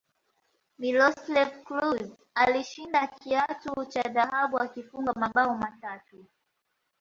miloslav klose alishinda kiatu cha dhahabu akifunga mabao matano